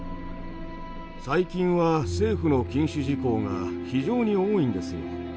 最近は政府の禁止事項が非常に多いんですよ。